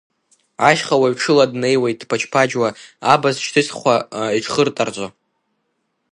Ашьхауаҩ ҽыла днеиуеит дԥаџьԥаџьуа, абаз шьҭызхәа, иҽхыртарӡо!